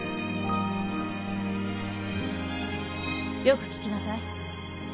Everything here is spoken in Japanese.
よく聞きなさい。